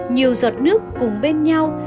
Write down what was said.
nhiều giọt nước cùng bên nhau